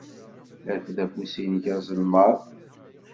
Rfed afus-nnek azelmaḍ.